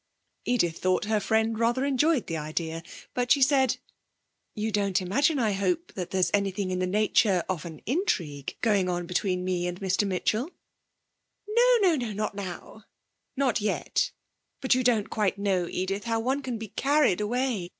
Edith thought her friend rather enjoyed the idea, but she said: 'You don't imagine, I hope, that there's anything in the nature of an intrigue going on between me and Mr Mitchell?' 'No, no, no not now not yet but you don't quite know, Edith, how one can be carried away.